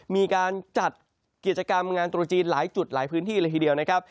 มีการจัดกิจกรรมงานตรุจีนหลายจุดหลายพื้นที่เลยทีเดียวนะครับ